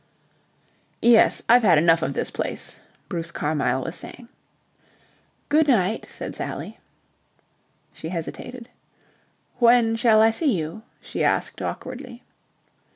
"Yes, I've had enough of this place," Bruce Carmyle was saying. "Good night," said Sally. She hesitated. "When shall I see you?" she asked awkwardly.